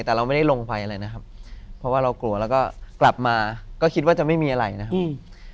แต่เราไม่ได้ลงไปอะไรนะครับเพราะว่าเรากลัวแล้วก็กลับมาก็คิดว่าจะไม่มีอะไรนะครับอืม